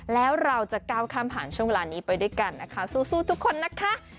แล้วเราจะก้าวข้ามผ่านช่วงเวลานี้ไปด้วยกันนะคะสู้ทุกคนนะคะ